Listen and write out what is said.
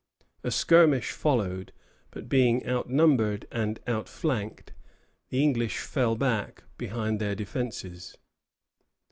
A skirmish followed; but being outnumbered and outflanked, the English fell back behind their defences.